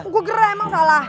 gue gerak emang salah